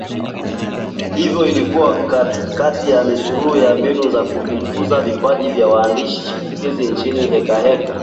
Hiyo ilikuwa kati ya misururu ya mbinu za kuvikuza vipaji vya waandishi chipukizi nchini Hekaheka